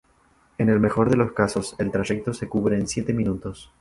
En el mejor de los casos el trayecto se cubre en siete minutos.